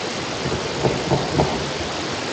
Le lieutenant-gouverneur préside le Sénat.